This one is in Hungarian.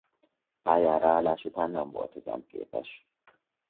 Pályára állás után nem volt üzemképes.